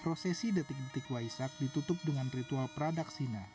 prosesi detik detik waisak ditutup dengan ritual pradaksina